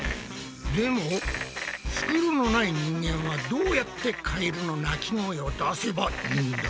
でもふくろのない人間はどうやってカエルの鳴き声を出せばいいんだ？